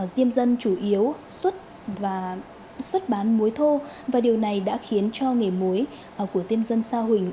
diêm dân chủ yếu xuất bán mối thô và điều này đã khiến cho nghề mối của diêm dân sa huỳnh